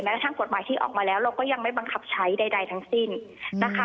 ทั้งกฎหมายที่ออกมาแล้วเราก็ยังไม่บังคับใช้ใดทั้งสิ้นนะคะ